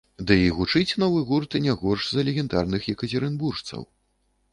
Дый гучыць новы гурт не горш за легендарных екацерынбуржцаў.